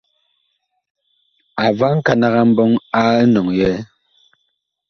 A va nkanag a mbɔŋ a enɔŋ yɛɛ.